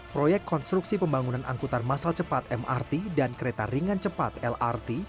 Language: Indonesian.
proyek konstruksi pembangunan angkutan masal cepat mrt dan kereta ringan cepat lrt